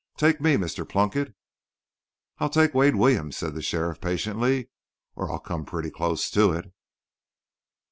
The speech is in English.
Take me, Mr. Plunkett." "I'll take Wade Williams," said the sheriff, patiently, "or I'll come pretty close to it."